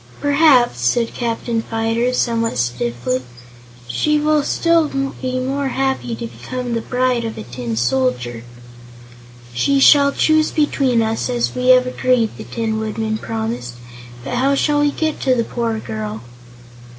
"Perhaps," said Captain Fyter, somewhat stiffly, "she will be still more happy to become the bride of a Tin Soldier." "She shall choose between us, as we have agreed," the Tin Woodman promised; "but how shall we get to the poor girl?"